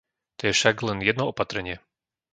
To je však len jedno opatrenie.